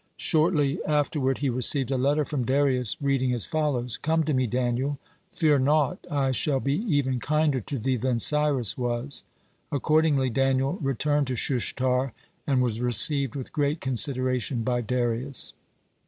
Shortly afterward he received a letter from Darius reading as follows: "Come to me, Daniel! Fear naught, I shall be even kinder to thee than Cyrus was." Accordingly Daniel returned to Shushtar, and was received with great consideration by Darius.